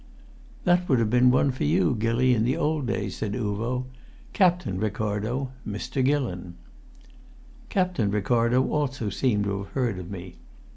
"That would have been one for you, Gilly, in the old days," said Uvo. "Captain Ricardo Mr. Gillon." Captain Ricardo also seemed to have heard of me.